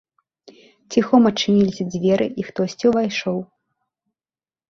Ціхом адчыніліся дзверы і хтосьці ўвайшоў.